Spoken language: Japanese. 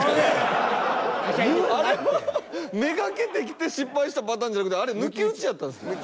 目がけてきて失敗したパターンじゃなくてあれ抜き打ちやったんすか。